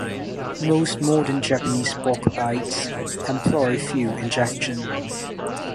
Most modern Japanese sportbikes employ fuel injection.